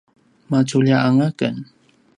maculja anga ken